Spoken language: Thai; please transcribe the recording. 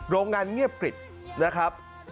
โรงงานเงียบกริดนะครับ